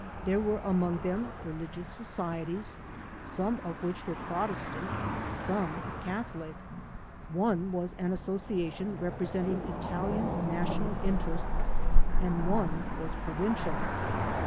There were among them re ligious societies, some of which were Protestant, some Catholic. One was an association representing Italian national interests, and one was provincial.